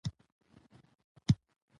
او دواړه بهجوړه ښوونځي ته تللې